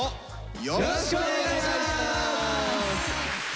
よろしくお願いします。